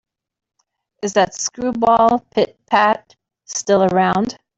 Is that screwball Pit-Pat still around?